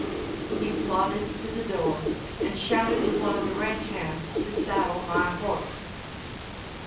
He plodded to the door and shouted to one of the ranch hands to saddle my horse.